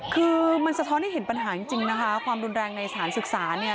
คือมันสะท้อนให้เห็นปัญหาจริงนะคะความรุนแรงในสถานศึกษาเนี่ย